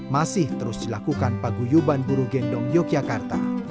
masih terus dilakukan paguyuban buruh gendong yogyakarta